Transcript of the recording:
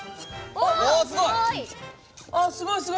おすごい！